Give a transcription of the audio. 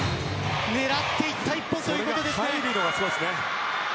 狙っていた１本ということですね。